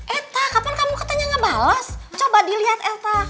eta kapan kamu katanya gak bales coba dilihat eta